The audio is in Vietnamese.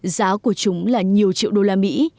giá của chúng là nhiều triệu đô la mỹ